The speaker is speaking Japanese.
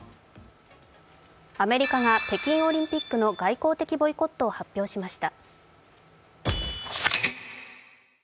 アメリカが北京オリンピックの外交的ボイコットを発表しました。